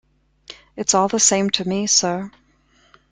It is all the same to me, sir.